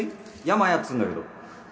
山谷っつうんだけど